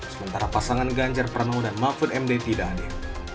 sementara pasangan ganjar pranowo dan mahfud md tidak hadir